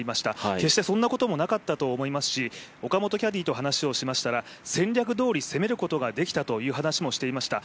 決してそんなこともなかったと思いますし岡本キャディーと話をしたら戦力どおり攻めることができたという話をしていました。